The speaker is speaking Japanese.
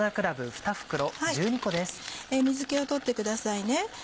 水気を取ってくださいね。